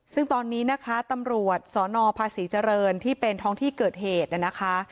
ซึ่งตอนนี้นะคะตำรวจสนภาษีเจริญที่เป็นท้องที่เกิดเหตุนะคะ